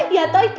ya to unusual